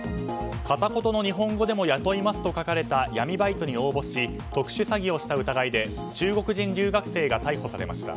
片言の日本語でも雇いますと書かれた闇バイトに応募し特殊詐欺をした疑いで中国人留学生が逮捕されました。